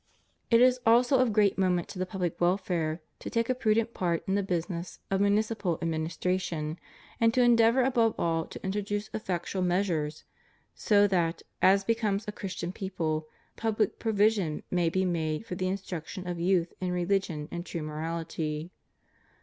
It is also of great moment to the public welfare to take a prudent part in the business of municipal administration, and to endeavor above all to introduce effectual measures, so that, as becomes a Christian people, pubUc provision may be made for the instruction of youth in religion and true morality.